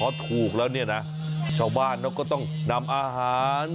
พอถูกแล้วเนี่ยนะชาวบ้านเขาก็ต้องนำอาหาร